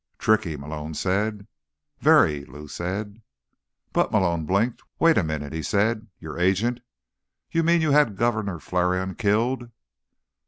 "Tricky," Malone said. "Very," Lou said. "But—" Malone blinked. "Wait a minute," he said. "Your agent? You mean you had Governor Flarion killed?"